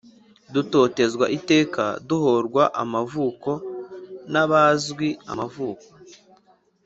Dutotezwa iteka Duhorwa amavuko N’abazwi amavuko !